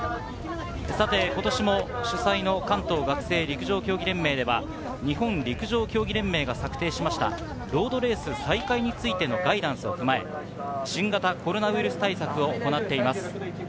今年も主催の関東学生陸上競技連盟では、日本陸上競技連盟が策定したロードレース再開についてのガイダンスを踏まえ、新型コロナウイルス対策を行っています。